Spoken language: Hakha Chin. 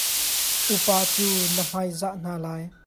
Upa cu na hmaizah hna lai.